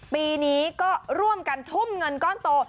ปีนี้ก็ร่วมกันทุ่มเงินก้อนโต